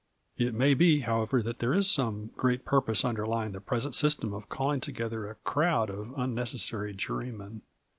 It may be, however, that there is some great purpose underlying the present system of calling together a crowd of unnecessary jurymen.